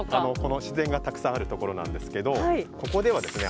自然がたくさんあるところなんですけどここではですね